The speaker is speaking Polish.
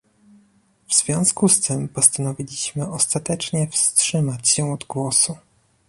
W związku z tym postanowiliśmy ostatecznie wstrzymać się od głosu